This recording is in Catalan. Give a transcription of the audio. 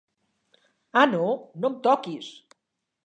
"Ah no, no em toquis!